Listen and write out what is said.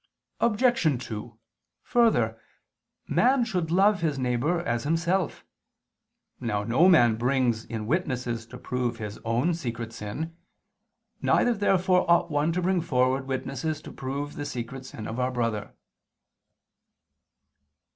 Obj. 2: Further, man should love his neighbor as himself. Now no man brings in witnesses to prove his own secret sin. Neither therefore ought one to bring forward witnesses to prove the secret sin of our brother.